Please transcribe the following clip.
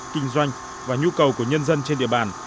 kinh doanh và nhu cầu của nhân dân trên địa bàn